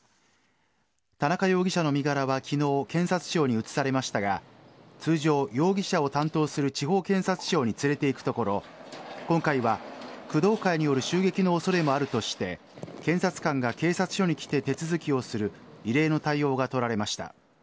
田中容疑者の身柄は昨日検察庁に移されましたが通常、容疑者を担当する地方検察庁に連れて行くところ今回は工藤会による襲撃のおそれもあるとして検察官が警察署に来て手続きをする異例の対応が取られました。